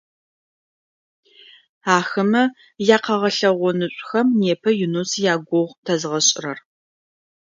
Ахэмэ якъэгъэлъэгъонышӏухэм непэ Юнус ягугъу тэзгъэшӏырэр.